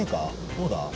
どうだ？